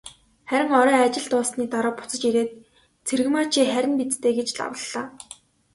Харин орой ажил дууссаны дараа буцаж ирээд, "Цэрэгмаа чи харина биз дээ" гэж лавлалаа.